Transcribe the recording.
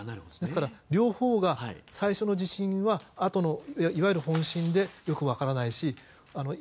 ですから、両方が最初の地震はいわゆる本震でよく分からないし